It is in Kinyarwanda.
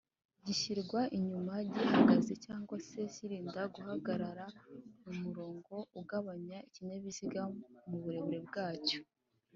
gishyirwa inyuma gihagaze cg se cyrnda guhagarara mu murongo ugabanya ikinyabiziga muburebure bwacyo